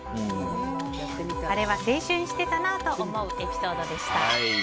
あれは青春してたなぁと思うエピソードでした。